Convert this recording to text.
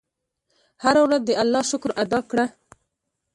هره ورځ د الله شکر ادا کړه.